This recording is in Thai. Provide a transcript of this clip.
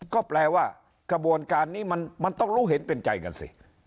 ก็แปลว่ากระบวนการนี้มันต้องรู้เห็นเป็นใจกันสิ